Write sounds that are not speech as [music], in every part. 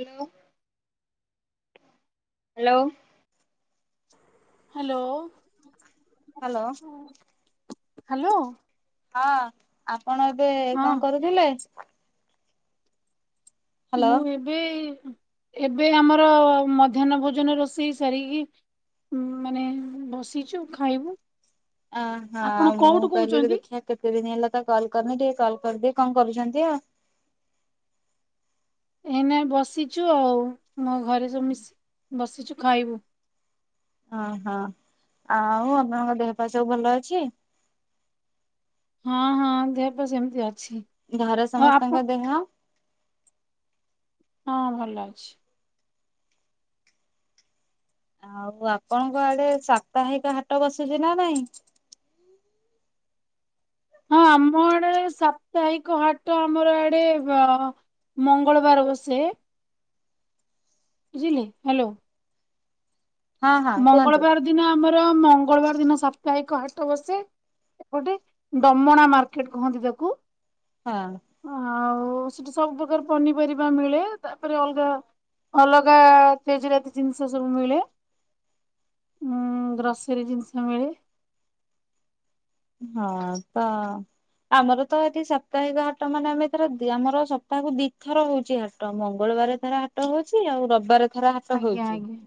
Hello. Hello. Hello. Hello. Hello. ହଁ ଆପଣ ଏବେ ହଁ କଣ କରୁଥିଲେ ହ୍ୟାଲୋ। ମୁଁ ଏବେ ଏବେ ଆମର ମଧ୍ୟାହ୍ନ ଭୋଜନ ରୋଷେଇ ସାରିକି। ମାନେ ବସିଛୁ ଖାଇବୁ। ଅ ଆପଣ ହଁ ମୁଁ କୋଉଠୁ କହିଲି କହୁଛନ୍ତି? ଦେଖିବା। କେତେ ଦିନ ହେଲା ତା କଲ କରିନି ଟିକେ କଲ କରିଦି କଣ କରୁଛନ୍ତି ଆଉ। ଏ ନାଇ ବସିଛୁ ଆଉ ମୋ ଘରେ ସବୁ ମିଶି ବସିଛୁ ଖାଇବୁ। ଓହୋ ଆଉ ଆପଣଙ୍କ ଦେହ ପା ସବୁ ଭଲ ଅଛି। ହଁ ହଁ ଦେହ ପା ସେମିତି ଅଛି। ଘରେ ଆଉ ଆପଣ ସମସ୍ତଙ୍କ ଦେହ। ହଁ ଭଲ ଅଛି। ଆଉ ଆପଣଙ୍କ ଆଡେ ସାପ୍ତାହିକ ହାଟ ବସୁଛି ନା ନାଇଁ। ହଁ ଆମ ଆଡେ ସାପ୍ତାହିକ ହାଟ ଆମର ଆଡେ। ମଙ୍ଗଳବାର ବସେ। ବୁଝିଲେ ହ୍ୟାଲୋ। ହଁ ହଁ କୁହନ୍ତୁ। ମଙ୍ଗଳବାର ଦିନ ଆମର ମଙ୍ଗଳବାର ଦିନ ସାପ୍ତାହିକ ହାଟ ବସେ। ଏପଟେ ଡମଣା ମାର୍କେଟ କୁହନ୍ତି ତାକୁ। ହଁ। ଆଉ ସେଠି ସବୁପ୍ରକାର୍ ପନିପରିବା ମିଳେ ତାପରେ ଅଲଗା। ଅଲଗା ତେଜରାତି ଜିନଷ ସବୁ ମିଳେ। ଉଁ ଗ୍ରସରୀ ଜିନଷ ମିଳେ। ହଁ ତ। ଆମର ତ ଏଠି ସପ୍ତାହିକ ହାଟ ମାନେ ଆମେ ଏଥର ଦି ଆମର ସପ୍ତାହକୁ ଦିଥର ହଉଚି ହା ଟ ମଙ୍ଗଳବାର ଥରେ ହାଟ ହଉଚି ଆଉ ରବବାରେ। ଥର ହାଟ ଆଜ୍ଞା ହଉଚି ଆଜ୍ଞା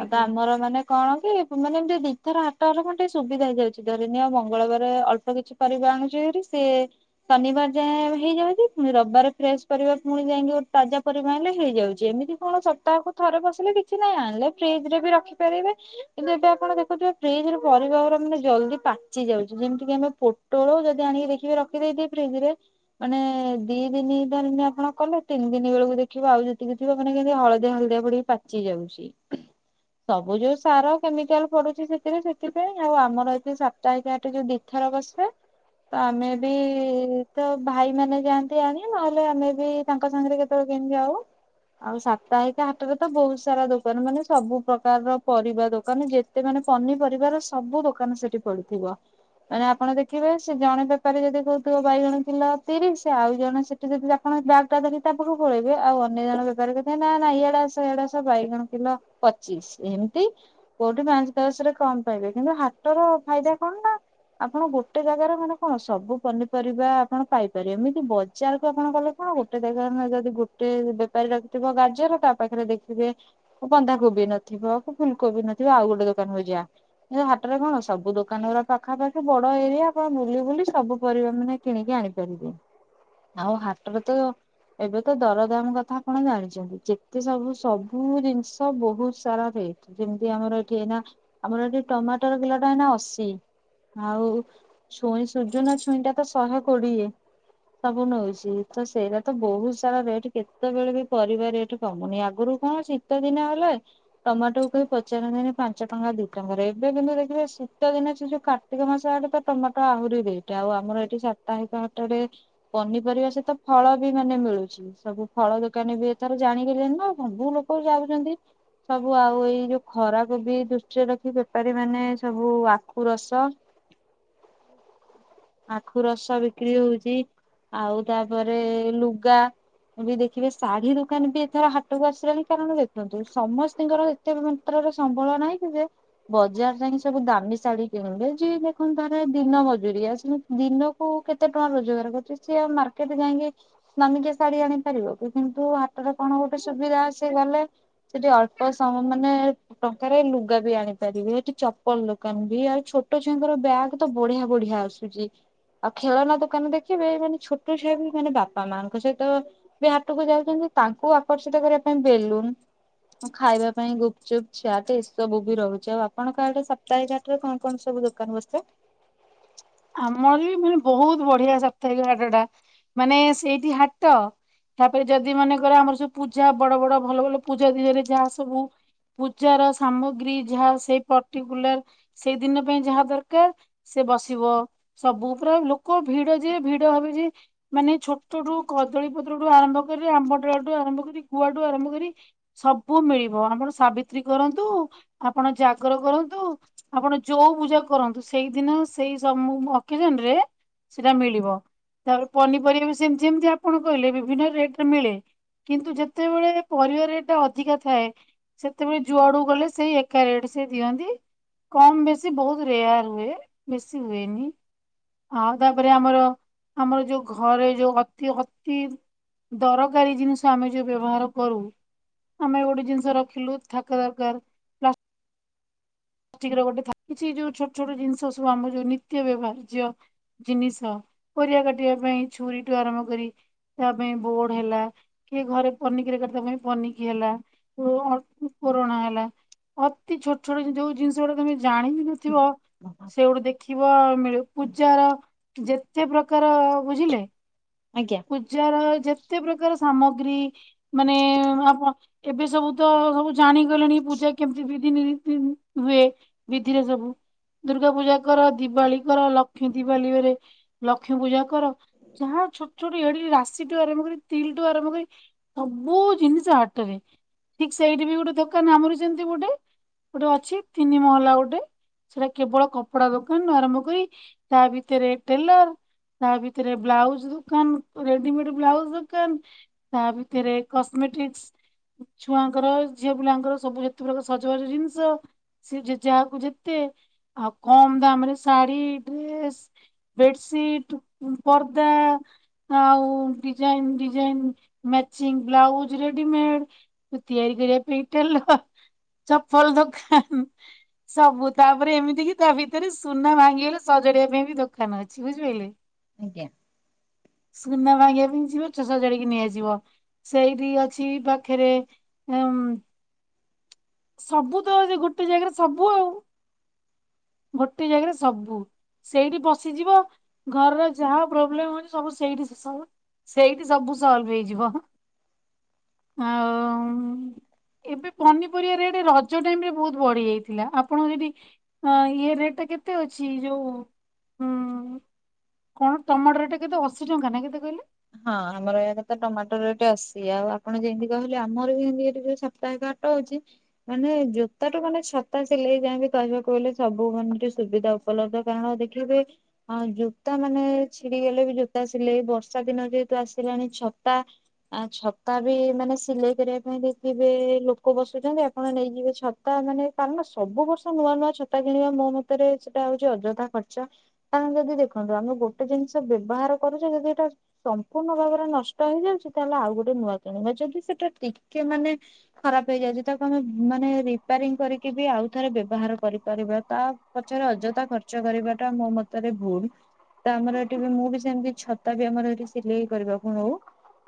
ଆଉ ତ ଆଜ୍ଞା। ଆମର ମାନେ। କଣ କି ମାନେ ଏମତି ଦିଥର ହାଟ ହେଲେ କଣ ଟିକେ ସୁବିଧା ହେଇଯାଉଚି ଘରେ। ନିଅ ମଙ୍ଗଳବାରେ ଅଳ୍ପ କିଛି ପରିବା ଆଣୁଚି ଭାରି ସେ। ଶନିବାର ଯାଏଁ ହେଇଯାଉଚି ଫୁଣି ରବବାର ଫ୍ରେଶ ପରିବା ଫୁଣି ଯାଇଁକି ଗୋଟେ ତାଜା ପରିବା ଆଇଁଲେ ହେଇଯାଉଚି ଏମିତି। କଣ ସପ୍ତାହକୁ ଥରେ ବସିଲେ କିଛି ନାଇଁ ଆଣିଲେ ଫ୍ରିଜ୍ ରେ ବି ରଖିପାରିବେ। କିନ୍ତୁ ଏବେ ଆପଣ ଦେଖୁଥିବେ ଫ୍ରିଜ୍ ରୁ ପରିବାଗୁରାମାନେ ଜଲ୍ଦି ପା ଚି ଯାଉଚି ଯେମତି କିି ଆମେ ପୋଟୋଳ ଯଦି ଆଣିକି ଦେଖିବେ ରଖିଦେଇଥିବେ ଫ୍ରିଜ୍ ରେ। ମାନେ ଦି ଦିନି ଧରନିଅ ଆପଣ କଲେ ତିନ ଦିନି ବେଳକୁ ଦେଖିବ ଆଉ ଯେତିକି ଥିବ ମାନେ କଯେମତି ହଳଦିଆ ହଳଦିଆ ପଡିକି। ପାଚି ଯାଉଚି। ସବୁ ଯୋଉ ସାର କେମିକାଲ୍ ପଡୁଚି ସେଥିରେ ସେଥିପାଇଁ ଆଉ ଆମର ଏଠି ସା ପ୍ତାହିକ ହାଟ ଯୋଉ ଦି ଥର ବସେ। ତ ଆମେ ବି ତ ଭାଇ ମାନେ ଯାଆନ୍ତି ଆଣି ନହଲେ ଆମେ ବି। ତାଙ୍କ ସାଙ୍ଗରେ କେତବଳେ କେମତି ଯାଉ। ଆଉ ସାପ୍ତାହିକ ହାଟରେ ତ ବହୁତ୍ ସାରା ଦୋକାନ ମାନେ ସବୁ ପ୍ରକାରର ପରିବା ଦୋକାନ ଯେ ତେ ମାନେ ପନିପରିବାର ସବୁ ଦୋକାନ ସେଠି ପଡିଥିବ। ମାନେ ଆପଣ ଦେଖିବେ ସେ ଜଣେ ବେପାରୀ ଯଦି କହୁଥିବ ବାଇଗଣ କିଲ ତିରିଶ ଆଉ ଜଣ ସେ ଯଦି ଆପଣ ବ୍ୟାଗ ଟା ଧରିକି ତା ପଟକୁ ପଳେଇବେ ଆଉ ଅନ୍ୟ ଜଣ ବେପାରୀ କହୁଥିବେ ନା ନା ଇଆଡ଼େ ଆସ ଇଆଡ଼େ ଆସ ବାଇଗଣ କିଲ। ପଚିଶ ଏମତି କୋଉଠି ପାଞ୍ଚ ଦଶ ରେ କମ ପାଇବେ କିନ୍ତୁ ହାଟର ଫାଇଦା। କଣ ନା ଆପଣ ଗୋଟେ ଜାଗାରେ ମାନେ କଣ ସବୁ ପନିପରିବା ଆପଣ ପାଇପାରିବେ ଏମିତି ବ ଜାର୍ କୁ ଆପଣ ଗଲେ କଣ ଗୋଟେ ଜାଗାରେ ନହଲେ ଯଦି ଗୋଟେ ବେପାରୀ ରଖିଥିବ ଗାଜର ତା ପାଖରେ ଦେଖିବେ। ବନ୍ଧାକୋବି ନଥିବ କି ଫୁଲକୋବି ନଥିବ ଆଉ ଗୋଟେ ଦୋକାନକୁ ଯିବା ଏ ହାଟରେ କଣ ସବୁ ଦୋ କାନଗୁରା ପାଖାପାଖି ବଡ ଏରିଆ ଆପଣ ବୁଲି ବୁଲି ସବୁ ପରିବା ମାନେ କିଣିକି ଆଣିପାରିବେ। ଆଉ ହାଟରେ ତ। ଏବେ ତ ଦରଦାମ୍ କଥା ଆପଣ ଜାଣିଚନ୍ତି ଯେତେ ସବୁ ସବୁ ଜିନଷ ବହୁତ ସାରା ରେଟ୍। ଯେମତି ଆମର ଏଠି ଏଇନା ଆମର ଏଠି ଟମାଟର କିଲଟା ଏଇନା ଅ ଶୀ ଆଉ ଛୁଇଁ ସୂଜୁନା ଛୁଇଁଟା ତ ଶହେ କୋଡିଏ। ସବୁ ନଉଛି ତ ସେଇରା ତ ବହୁତ ସାରା ରେଟ୍ କେତେବେଳେ ବି ପରିବା ରେଟ୍। କମୁନି ଆଗୁରୁ କଣ ଶୀତ ଦିନ ହେଲେ। ଟମାଟକୁ କେହି ପଚାରନ୍ତିନି ପାଞ୍ଚ ଟଙ୍କା ଦି ଟଙ୍କାରେ ଏବେ କିନ୍ତୁ ଦେଖିବେ ଶୀ ତ ଦିନ ସେ ଯୋଉ କାର୍ତ୍ତିକ ମାସ ଆଡ଼େ ତ ଟମାଟ ଆହୁରି ରେଟ୍ ଆଉ ଆମର ଏଠି ସାପ୍ତାହିକ ହାଟରେ। ପନିପରିବା ସହିତ ଫଳ ବି ମାନେ ମିଳୁଚି। ସବୁ ଫଳ ଦୋକାନି ବି ଏଥର ଜାଣିିଗଲେଣିନା ଆଉ କଣ ସବୁ ଲୋକ ଯାଉଚନ୍ତି। ସବୁ ଆଉ ଏଇ ଯୋଉ ଖରାକୁ ବି ଦୃଷ୍ଟିରେ ରଖି ବେପାରୀ ମାନେ ସବୁ ଆ ଖୁ ରସ ଆଖୁ ରସ ବିକ୍ରି ହଉଚି। ଆଉ ତାପରେ ଲୁଗା। ବି ଦେଖିବେ ଶାଢୀ ଦୋକାନ ବି ଏଥର ହାଟକୁ ଆସିଲାଣି କାରଣ ଦେଖନ୍ତୁ ସମସ୍ତିଙ୍କର। ଏତେ ମାତ୍ରାରେ ସମ୍ବଳ ନାହିଁ କି ଯେ ବଜାର୍ ଯାଇଁ ସବୁ ଦାମି। ଶାଢ଼ୀ କିଣିବେ ଯିଏ ଦେଖନ୍ତୁ ତାର ଦିନ ମଜୁରିଆ ସେ ଦିନକୁ କେତେ ଟଙ୍କା ରୋଜଗାର କରୁଚି ସିଏ ଆଉ ମାର୍ କେଟ ଯାଇଁକି ଦାମିକିଆ ଶାଢ଼ୀ ଆଣିପାରିବ କି କିନ୍ତୁ ହାଟରେ କଣ ଗୋଟେ ସୁବିଧା ଅଛି ଗଲେ ସେଠି ଅଳ୍ପ ସମୟ ମାନେ ଟଙ୍କାରେ ଲୁଗା ବି ଆଣିପାରିବେ ସେଠି ଚପଲ ଦୋ କାନ ବି ଆଉ ଛୋଟ ଛୁଆଙ୍କର ବ୍ୟାଗ୍ ତ ବଢ଼ିଆ ବଢ଼ିଆ ଆସୁଚି। ଆଉ ଖେଳନା ଦୋକାନ ଦେଖିବେ ମାନେ ଛୋଟ ଛୁଆ ବି ମାନେ ବାପା ମାଙ୍କ ସହିତ ବି ହାଟକୁ ଯାଉଛନ୍ତି ତାଙ୍କୁ ଆକର୍ଷିତ କରିବା ପାଇଁ ବେଲୁନ୍ ମୁଁ ଖାଇବା ପାଇଁ ଗୁପ୍ ଚୁପ୍ ଚାଟେ ଏସବୁ ବି ରହୁଚି ଆଉ ଆପଣଙ୍କ ଆଡ଼େ ସ ତାଇ ଘାଟରେ କଣ-କଣ ସବୁ ଦୋକାନ ବସ୍ଥାଏ? ଆମର ବି ମାନେ ବହୁତ ବଢ଼ିଆ ସାପ୍ତାହିକ ବାଟ ଟା ମାନେ ସେଇଟି ହାଟ ତାପରେ ଯଦି ମନେ କର ଆମର ସବୁ ପୂଜା ବଡ଼ ବଡ଼ ଭଲ-ଭଲ ପୂଜା ଦିହରେ ଯାହା ସବୁ ପୂଜାର ସାମଗ୍ରୀ ଯାହା ସେଇ ପର୍ଟିକୁଲାର ସେଇ ଦିନ ପାଇଁ ଯାହା ଦରକାର ସେ ବସ ଯିବ ସବୁ ପୁରା ଲୋକ ଭିଡ଼ ଯେ ଭିଡ଼ ହେବେ ଯେ ମାନେ ଛୋଟଠୁ କଦଳୀ ପତ୍ର ଠୁ ଆରମ୍ଭ କରି ଆମ୍ବଡାଳଠୁ ଆରମ୍ଭ କରି ଗୁଆଠୁ ଆରମ୍ଭ କରି ସବୁ ମିଳିବ ଆମର ସାବିତ୍ରୀ କରନ୍ତୁ। ଆପଣ ଜାଗର କରନ୍ତୁ। ଆପଣ ଯୋଉ ପୂଜା କରନ୍ତୁ ସେଇଦିନ ସେଇ ସମୁ ଅକେଜନ୍ ରେ ସେଇଟା ମିଳିବ ତାପରେ ପନିପରିବା ବି ସେମ୍ ତି ଯେମ୍ ତି ଆପଣ କହିଲେ ବିଭିନ୍ନ ରେଟ୍ ରେ ମିଳେ। କିନ୍ତୁ ଯେତେବେଳେ ପରିବା ରେଟ୍ ଟା ଅଧିକା ଥାଏ ସେତେବେଳେ ଯୁଆଡ଼ୁକୁ ଗଲେ ସେଇ ଏକା ରେଟ୍ ସିଏ ଦିଅନ୍ତି। କମ୍ ବେଶୀ ବହୁତ ରେୟାର୍ ହୁଏ ବେଶୀ ହୁଏନି। ଆଇ ତାପରେ ଆମର ଆମର ଯୋଉ ଘରେ ଯୋଉ ଅତି-ଅତି ଦରକାରୀ ଜିନିଷ ଆମେ ଯୋଉ ବ୍ୟବହାର କରୁ। ଆମେ ଗୋଟେ ଜିନିଷ ରଖିଲୁ ଥାକ ଦରକାର୍। [unintelligible] ଛି ଯୋଉ ଛୋଟ ଛୋଟ ଜିନିଷ ସବୁ ଆମ ଯୋଉ ନିତ୍ୟ ବ୍ୟବହାର୍ଯ୍ୟ ଜିନିଷ ପାରିବା କାଟିବା ପାଇଁ ଛୁରୀଠୁ ଆରମ୍ଭ କରି ତା ପାଇଁ ବୋଡ଼ ହେଲା। କିଏ ଘରେ ପନିକିରେ କଟିବା ପାଇଁ ପନିକି ହେଲା କୋର କୋରନା ହେଲା। ଅତି ଛୋଟ୍-ଛୋଟ୍ ଯୋଉ ଜିନିଷ ଉରା ତମେ ଜାଣିବି ନଥିବ ସେଉଡ଼ୁ ଦେ ଥିବ ମିଳୁ ପୂଜାର ଯେତେ ପ୍ରକାର ବୁଝିଲେ ଆଜ୍ଞା। ପୂଜାର ଯେତେ ପ୍ରକାର ସାମଗ୍ରୀ ମାନେ [unintelligible] ଏବେ ସବୁ ତ ସବୁ ଜାଣିଗଲେଣି ପୂଜା କେମିତି ବିଧି ନୀ ତି ହୁଏ। ବିଧିରେ ଯବୁ। ଦୁର୍ଗା ପୂଜା କର ଦିବାଳି କର ଲକ୍ଷ୍ମୀ ଦିବାଳି ବେଳେ ଲକ୍ଷ୍ମୀ ପୂଜା କର। ଯାହା ଛୋ ଛୋଟ ଏଡ଼ିକି ରାଶିଠୁ ଆରମ୍ଭ କରି ତିଲ୍ ଠୁ ଆରମ୍ଭ କରି ସବୁ ଜିନିଷ ହାଟରେ। ଠିକ୍ ସେଇଟି ବି ଗୋଟେ ଦୋକାନ ଆମର ଯେମ୍ ତି ଗୋଟେ ଗୋଟେ ଅଛି ତିନି ମହଲା ଗୋଟେ। ସେଟା କେବଳ କପଡ଼ା ଦୋକାନ ଆରମ୍ଭ କରି ତା ଭିତରେ ଟେଲର୍ ତା ଭିତରେ ବ୍ଲାଉଜ୍ ରୁ କାନ୍ ରେଡିମେଡ ବ୍ଲାଉଜ୍ ଦୋକାନ ତା ଭିତରେ କସ୍ମେଟିକ୍ସ। ଛୁଆଙ୍କର ଝିଅ ପିଲାଙ୍କର ସବୁ ଯେତେପ୍ରକାର ସଜବାଜ ଜିନିଷ। ସିଏ ଯେ ଯାହାକୁ ଯେତେ ଆଉ କମ୍ ଦାମ୍ ରେ ଶାଢ଼ୀ ଡ୍ରେସ୍ ‌। ବେଡ୍ ସୀଟ୍ ପର୍ଦା। ଆଉ design design matching blouse readymade. ତିଆରି କରିବା ପାଇଁ ଟେଲ ଚପଲ୍ ଦୋଖାନ୍। ସବୁ ତାପରେ ଏମିତି କି ତା ଭିତରେ ସୁନା ଭାଙ୍ଗିଗଲେ ସଜାଡ଼ିବା ପାଇଁ ବି ଦୋକାନ ଅଛି ବୁଝିପାଇଲେ? ଆଜ୍ଞା। ସୁନା ଭାଙ୍ଗିବା ପାଇ ଯିବ [unintelligible] ସଜାଡିକି ନେଇଆସିବ। ସେଇଠି ଅଛି ପାଖରେ ଉଁ ସବୁ ତ ସେ ଗୋଟେ ଜାଗାରେ ସବୁ ଆଉ [unintelligible] ଜାଗାରେ ସବୁ। ସେଇଠି ବସିଯିବ ଘରର ଯାହା ପ୍ରୋବ୍ଲେମ ହଉଛି ସବୁ ସେଇଠି ଶେଷ ହ ସେଇଠି ସବୁ ସଲ୍ଭ ହେଇଯିବ। ଆଉ ଏବେ ପନି ପରିବା ରେଟେ ରଜ ଟାଇମ୍ ରେ ବହୁତ ବଢି ଯାଇଥିଲା ଆପଣଙ୍କ ଯଦି ହଁ ଇଏ ରେଟ୍ ଟା କେତେ ଅଛି ଯୋଉ। ହୁଁ କଣ ଟମାଟୋ ରେଟେ କେତେ ଅଶୀ ଟଙ୍କା ନା କେତେ କହିଲେ? ହଁ ଆମର ଏୟାଡେ ତ ଟମାଟୋ ରେଟେ ଅଶି ଆଉ ଆପଣ ଯେମିତି କହିଲେ ଆମର ବି ହେମତି ଏଠି ଯୋଉ ସାପ୍ତାହିକ। ଟ ହଉଛି। ମାନେ ଜୋତା ଠୁ ମାନେ ଛତା ସିଲେଇ ଯାଏଁବି କହିବାକୁ ଗଲେ ସବୁ ମାନେ ଠି ସୁବିଧା ଉ ଉପଲବ୍ଧ କାରଣ ଦେଖିବେ ଅ ଜୋତା ମାନେ ଛିଡିଗଲେ ବି ଜୋତା ସିଲେଇ ବ ର୍ଷା ଦିନ ଯେହେତୁ ଆସିଲାଣି ଛତା। ଆଉ ଛତା ବି ମାନେ ସିଲେଇ କରିବା ପାଇଁ ଦେଇଥିବେ ଲୋକ ବସୁଛନ୍ତି ଆପଣ ନେଇଯିବେ ଛ ଛତା ମାନେ କାରଣ ସବୁ ବର୍ଷ ନୂଆ ନୂଆ ଛତା କିଣିବା ମୋ ମତରେ ସେଟା ହଉଚି ଅଯଥା ଖର୍ଚ। କାରଣ ଯଦି ଦେଖନ୍ତୁ ଆମେ ଗୋଟେ ଜିନିଷ ବ୍ୟବହାର କରୁଛେ ଯଦି ଏଟା। ସମ୍ପୂର୍ଣ୍ଣ ଭାବରେ ନଷ୍ଟ ହେଇଯାଉଚି ତାହେଲେ ଆଉ ଗୋଟେ ନୂଆ କିଣିବା ଯଦି ସେଟା ଟିକେ ମାନେ ଖରାପ ହେଇଯାଉଜି ତାକୁ ଆମେ ମାନେ ରିପୋରିଂ କରିକି ବି ଆଉ ଥରେ ବ୍ୟବହାର କରିପାରିବା ତା ପଛରେ ଅଯଥା ଖର୍ଚ୍ଚ କରିବା ଟା ମୋ ମତରେ ଭୁଲ୍। ତ ଆମର ଏଠି ବି ମୁଁ ବି ସେମିତି ଛତା ବି ଆମର ଏଠି ସିଲେଇ କରିବା କୁ ନଉ।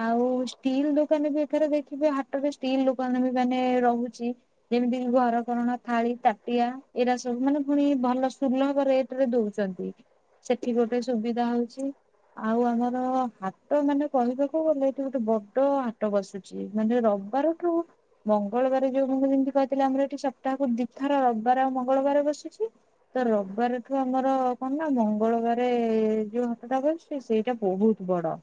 ଆଉ ଷ୍ଟିଲ ଦୋକାନ ବି ଏଥର ଦେଖିବେ ହାଟରେ ଷ୍ଟିଲ ଦୋକାନ ବି ମାନେ ରହୁଚି। ଯେମିତି ଘର କରଣା ଥାଳି ତାଟିଆ ଏଡା ସବୁ ମାନେ ପୁଣି ଭଲ ସୁଲଭରେ। ଦଉଛନ୍ତି ସେଠି ଗୋଟେ ସୁବିଧା ହଉଛି ଆଉ ଆମ ତ ହାଟ ମାନେ କହିବାକୁ ଗଲେ ଏଠି ଗୋଟେ ବଡ ହାଟ ବସୁଚି ମାନେ ରବିବାରଠୁ ମଙ୍ଗଳବାର ଯୋଉ [unintelligible] ଯେମିତି କହିିଥିଲି ଆମର ଏଠି ସପ୍ତାହକୁ ଦିଥର ରବିବାର ଆଉ ମଙ୍ଗଳବାର ବସୁଛି। ତ ରବିବାରଠୁ ଆମର କଣ ନା ମଙ୍ଗଳବାରେ ଯୋଉ ହାତଟା ବସୁଛି ସେଇଟା ବହୁତୁ ବଡ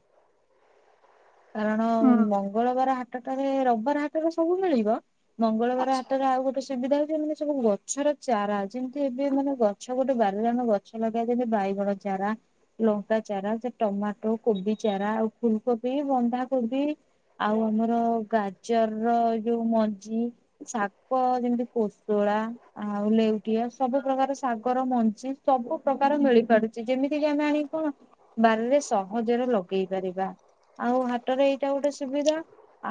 କାରଣ ମ ହୁଁ ମଙ୍ଗଳବାର ହାଟଟାରେ ରବିବାର ହାଟଟ ସବୁ ମିଳିବ। ମଙ୍ଗଳବାର ଆଚ୍ଛା ହାଟରେ ଆଉ ଗୋଟେ ସୁବିଧା ହଉଛି ମାନେ ସବୁ ଗଛର ଚାରା ଯେମିତି ଏବେ ମାନେ ଗ ଗଛ ଗୋଟେ ବାରରେ ଆମେ ଗଛ ଲଗାଏ ଯେମତି ବାଇଗଣ ଚାରା, ଲଙ୍କା ଚାରା ସେ ଟମାଟୋ, କୋବି ଚାରା ଆଉ ଫୁଲକୋବି, ବନ୍ଧାକୋବି। ଆଉ ଆମର ଗାଜର ର ଯୋଉ ମଞ୍ଜି। ଶାଗ ଯେମିତି କୋଶଳା ଆଉ ଲେଉଟିଆ ସବୁ ପ୍ରକାର ଶାଗର ମଞ୍ଜି। ସବୁ ପ୍ରକାର ମିଳିପାରୁଛି ଯେମିତି କିି ଆମେ ଆଣି କଣ। ବାରରେ ସହଜରେ ଲଗେଇ ପାରିବା ଆଉ ହାଟରେ ଏଇଟା ଗୋଟେ ସୁବିଧା।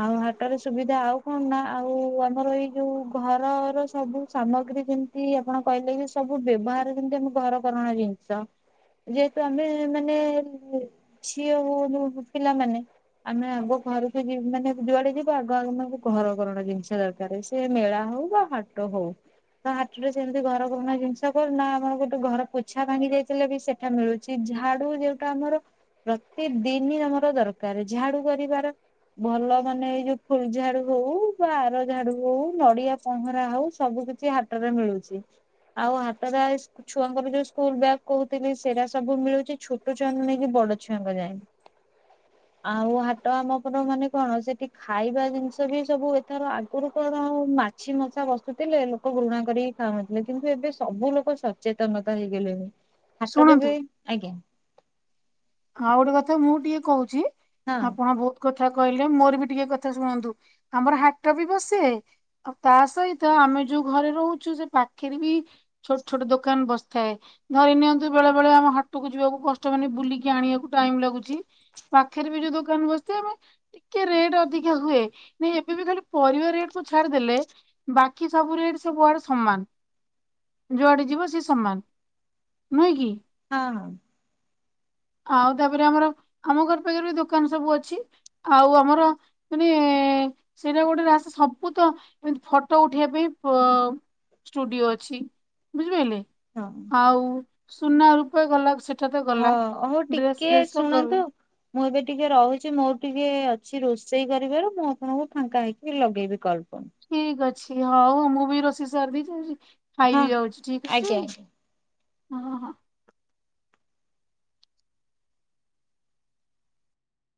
ଆଉ ହାଟରେ ସୁବିଧା ଆଉ କଣ ନା ଆଉ ଆମର ଏଇ ଯୋଉ ଘରର ସବୁ ସାମଗ୍ରୀ ଯେମି ତି ଆପଣ କହିଲେ କି ସବୁ ବ୍ୟବହାର ଯେମିତି ଆମ ଘର କରଣା ଜିନିଷ। ଯେହେତୁ ଆମେ ମାନେ ଝିଅ ବହୁ ଯଉ ପିଲାମାନେ। ଆମେ ଆଗ ଘରକୁ ଯି ମାନେ ଯୁଆଡେ ଯିବା ଆଗ ଆଗ ଘର କରଣା ଜିନିଷ ଦରକା ରେ ସେ ମେଳା ହଉ ବା ହାଟ ହଉ। ତ ହାଟରେ ସେମିତି ଘର ଘୁରୁଣା ଜିନିଷ କରୁ ନା ଆମର ଗୋଟେ ଘର ପୋଛା ଭାଙ୍ଗି ଯାଇଥିଲେ ବି ସେ ଏଟା ମିଳୁଚି ଝାଡୁ ଯୋଉ ଏତ ଆମର ପ୍ରତି ଦିନ ଆମର ଦରକାର ଝାଡୁ କରିବାର ଭଲ ମାନେ ଏଇ ଯୋଉ ଫୁଲ ଝାଡୁ ହଉ ବା ଆର ଝାଡୁ ହଉ ନଡିଆ ପହଁରା ହଉ ସବୁ କିଛି ଛି ହାଟ ରେ ମିଳୁଛି। ଆଉ ହାଟାରା ଏଇ ଛୁଆଙ୍କର ଯୋଉ ସ୍କୁଲ ବ୍ୟାଗ୍ କହୁଥିଲି ସେରା ସବୁ ମିଳୁଛି ଛୁ ଛୋଟ ଛୁଆଙ୍କ ନେଇକି ବଡ ଛୁଆଙ୍କ ଯାଏ। ଆଉ ହାଟ ଆମ ଉପର ମାନେ କଣ ସେଠି ଖାଇବା ଜିନିଷ ବି ସବୁ ଏଥର ଆଗରୁ କଣ ହଉ ମା ଛି ମଶା ବସୁଥିଲେ ଲୋକ ଘୃଣା କରିକି ଖାଉନଥିଲେ କିନ୍ତୁ ଏବେ ସବୁ ଲୋକ ସଚେତନତା ହେଇଗଲେଣି। ହାଟରୁ ଶୁଣନ୍ତୁ ବି ଆଜ୍ଞା। ଆଉ ଗୋଟେ କଥା ମୁଁ ଟିକେ କହୁଛି ହଁ ଆପଣ ଭୋଉ ତ୍ କଥା କହିଲେ ମୋର ବି ଟିକେ କଥା ଶୁଣନ୍ତୁ ଆମର ହାଟ ବି ବସେ ଆଉ ତା ସହିତ ଆମେ ଯୋଉ ଘରେ ରହୁଛୁ ସେ ପାଖରେ ବି ଛୋଟ ଛୋଟ ଦୋକାନ ବସିଥାଏ ଧରି ନିଅନ୍ତୁ ବେଳେ ବେଳେ ଆମ ହାଟକୁ ଯିବାକୁ କଷ୍ଟ ମାନେ ବୁଲିକି କି ଆଣିବାକୁ ଟାଇମ ଲାଗୁଛି ପାଖରେ ବି ଯୋଉ ଦୋକାନ ବସିଥା ଆମେ ଟିକିଏ ରେଟ୍ ଅଧିକା ହୁଏ ନାଇଁ ଏବେ ବି ଖାଲି ପରିବା ରେଟ କୁ ଛାଡିଦେଲେ ବାକି ସବୁ ରେଟ ସବୁଆଡେ ସମାନ। ଯୁଆଡ଼େ ଯିବ ସେ ସମାନ ନୁହେଁ କି? ହଁ ହଁ। ଆଉ ତାପରେ ଆମର ଆମ ଘର ପାଖରେ ବି ଦୋକାନ ସବୁ ଅଛି ଆଉ ଆମର ମାନେ ସେଇଟା ଗୋଟେ ରାସ୍ ସବୁତ ଏମି ଫଟୋ ଉଠେଇବା ପାଇଁ ପ ଷ୍ଟୁଡିଓ ଅଛି ବୁଝିପାଇଲେ। ହଁ। ଆଉ ସୁନା ରୂପେ ଗଲା ସେଟା ତ ଗଲା। ମୁଁ ଡ୍ରେସ ଟିକେ ଫ୍ରେସ୍ ତ ଗଲା ଶୁଣନ୍ତୁ। ମୁଁ ଏବେ ଟିକେ ରହୁଛି ମୋର ଟିକେ ଅଛି ରୋଷେଇ କରିବାରୁ ମୁଁ ଆପଣଙ୍କୁ ଫାଙ୍କା ହେଇକି ଲଗେଇବି କଲ୍ କୁ। ଠିକ ଅଛି ହଉ ମୁଁ ବି ରୋଷେଇ ସାରଦେଇଚି ଯାଉଛି ହଁ। ଖାଇବିି ଯାଉଛି ଠିକ ଅଛି। ହଁ ହଁ।